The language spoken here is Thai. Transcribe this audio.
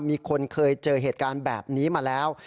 มีคนเคยเจอเหตุการณ์แบบนี้มาแล้ว